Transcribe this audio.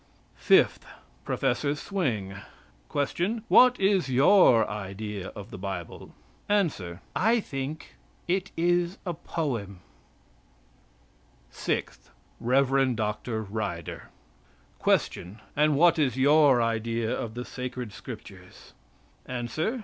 FIFTH, PROF. SWING. Question. What is your idea of the Bible? Answer. "I think it a poem." SIXTH, REV. DR. RYDER. Question. And what is your idea of the sacred Scriptures? Answer.